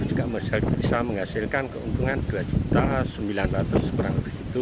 juga bisa menghasilkan keuntungan dua sembilan ratus perang